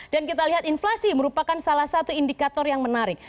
dan kita lihat inflasi merupakan salah satu indikator yang menarik